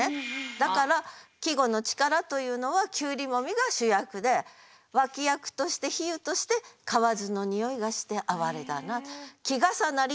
だから季語の力というのは「胡瓜もみ」が主役で脇役として比喩として「蛙の匂いがしてあはれだな」。